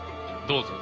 どうぞ。